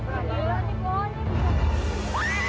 hai diplastik apa